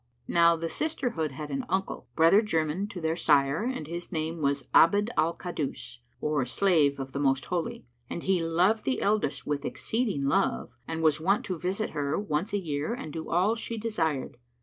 Now the sisterhood had an uncle, brother german to their sire and his name was Abd al Kaddús, or Slave of the Most Holy; and he loved the eldest with exceeding love and was wont to visit her once a year and do all she desired.